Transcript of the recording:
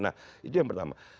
nah itu yang pertama